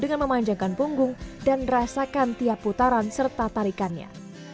dengan memanjangkan punggung dan rasakan tiap putaran serta tarikannya